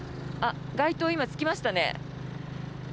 街灯が今、つきましたね。